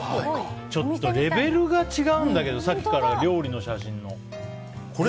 ちょっとレベルが違うんだけどさっきから、料理の写真の。